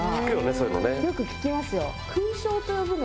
よく聞きますよ。